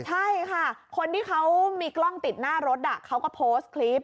ใช่ค่ะคนที่เขามีกล้องติดหน้ารถเขาก็โพสต์คลิป